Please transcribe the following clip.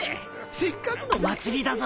せっかくの祭りだぞ。